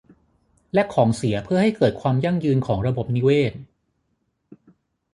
และของเสียเพื่อให้เกิดความยั่งยืนของระบบนิเวศ